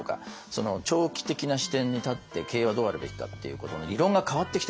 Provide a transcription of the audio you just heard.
その長期的な視点に立って経営はどうあるべきかっていうことの議論が変わってきてるんですね。